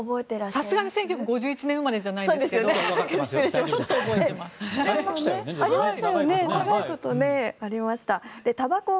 さすがに１９５１年生まれじゃないんですけどちょっと覚えてます。